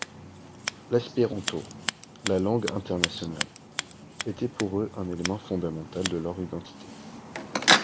L'espéranto, la Langue Internationale, était pour eux un élément fondamental de leur identité.